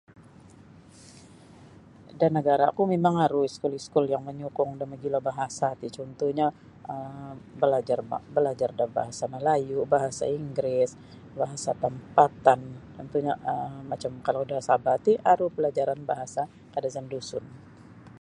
Da nagara ku mimang aru iskul-iskul yang manyokong da magilo bahasa ti contohnyo um balajar da balajar da bahasa Melayu, bahasa Inggeris, bahasa tampatan contohnya um kalau da Sabah ti aru palajaran bahasa KadazanDusun.